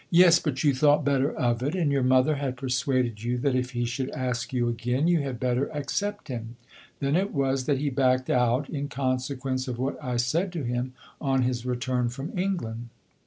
"Yes; but you thought better of it, and your mother had persuaded you that if he should ask you again, you had better accept him. Then it was that he backed out in consequence of what I said to him on his return from England."